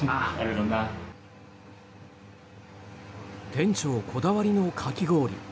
店長こだわりのかき氷。